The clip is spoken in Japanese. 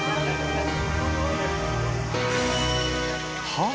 はあ？